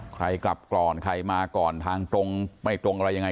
ใครกลับก่อนใครมาก่อนทางตรงไม่ตรงอะไรยังไง